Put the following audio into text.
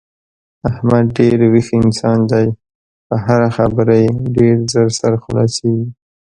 احمد ډېر ویښ انسان دی په هره خبره یې ډېر زر سر خلاصېږي.